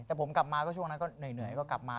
แต่ผมกลับมาก็ช่วงนั้นก็เหนื่อยก็กลับมา